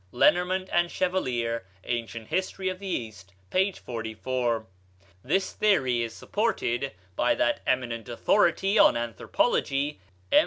(Lenormant and Chevallier, "Anc. Hist. of the East," p. 44.) This theory is supported by that eminent authority on anthropology, M.